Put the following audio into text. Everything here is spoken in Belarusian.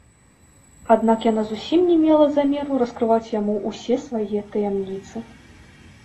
Аднак яна зусім не мела замеру раскрываць яму ўсе свае таямніцы.